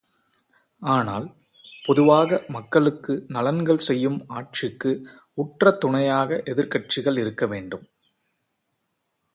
ஆனால், பொதுவாக மக்களுக்கு நலன்கள் செய்யும் ஆட்சிக்கு உற்ற துணையாக எதிர்க்கட்சிகள் இருக்க வேண்டும்.